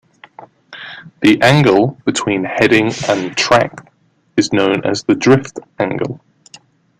The angle between heading and track is known as the drift angle.